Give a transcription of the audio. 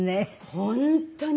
本当に。